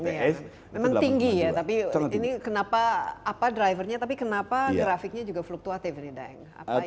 memang tinggi ya tapi ini kenapa apa drivernya tapi kenapa grafiknya juga fluktuatif ini daeng